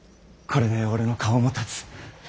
これで俺の顔も立つ。